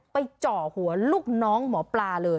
เจาะหัวลูกน้องหมอปลาเลย